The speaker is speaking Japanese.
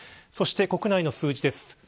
そして国内の数字です。